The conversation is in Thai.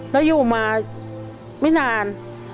แล้วอยู่มาไม่นาน